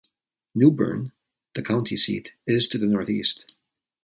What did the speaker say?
New Bern, the county seat, is to the northeast.